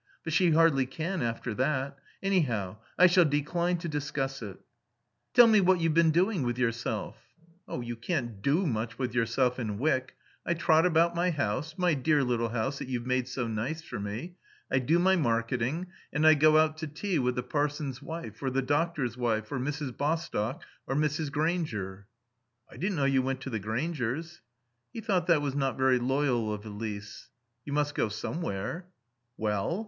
But she hardly can, after that. Anyhow, I shall decline to discuss it." "Tell me what you've been doing with yourself?" "You can't do much with yourself in Wyck. I trot about my house my dear little house that you've made so nice for me. I do my marketing, and I go out to tea with the parson's wife, or the doctor's wife, or Mrs. Bostock, or Mrs. Grainger." "I didn't know you went to the Graingers." He thought that was not very loyal of Elise. "You must go somewhere." "Well?"